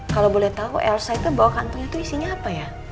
kalau boleh tahu elsa itu bawa kantongnya tuh isinya apa ya